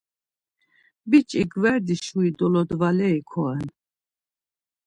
Biç̌i gverdi şuri dolodvaleri koren.